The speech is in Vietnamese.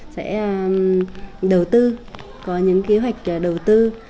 sẽ đầu tư có những kế hoạch đầu tư